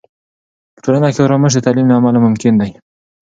په ټولنه کې آرامش د تعلیم له امله ممکن دی.